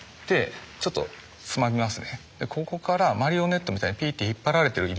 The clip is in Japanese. ちょっとつまみますね。